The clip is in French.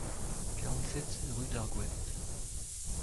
quarante-sept rue d'Argoat